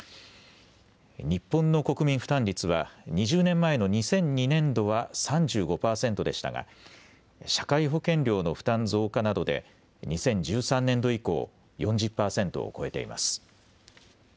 日本の国民負担率は２０年前の２００２年度は３５％でしたが社会保険料の負担増加などで２０１３年度以降４０％を超えています。